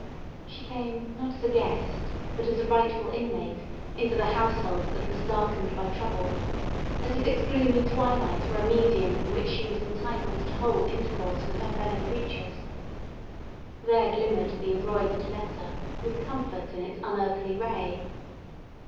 She came, not as a guest, but as a rightful inmate, into the household that was darkened by trouble, as if its gloomy twilight were a medium in which she was entitled to hold intercourse with her fellow creature. There glimmered the embroidered letter, with comfort in its unearthly ray.